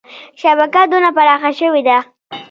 شبکه دونه پراخه شوې ده.